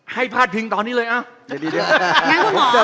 ให้พาดพิงตอนนี้เลยเอ้า